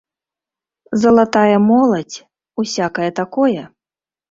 Залатая моладзь, усякае такое?